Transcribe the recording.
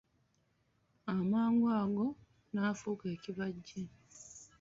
Amangu ago, n'afuuka ekibajje.